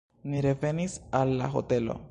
Ni revenis al la hotelo.